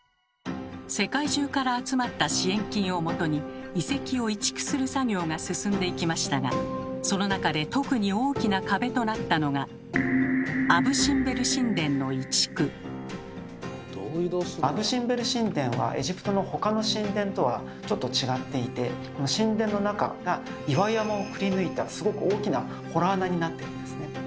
世界中から集まった支援金をもとに遺跡を移築する作業が進んでいきましたがその中で特に大きな壁となったのがアブ・シンベル神殿はエジプトの他の神殿とはちょっと違っていて神殿の中が岩山をくりぬいたすごく大きな洞穴になっているんですね。